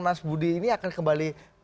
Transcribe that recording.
mas budi ini akan kembali